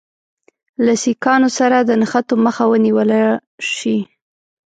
له سیکهانو سره د نښتو مخه ونیوله شي.